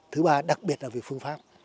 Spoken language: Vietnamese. thứ ba đặc biệt là về phương pháp